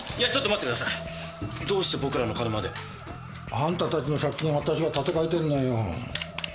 あんたたちの借金わたしが立て替えてんのよ。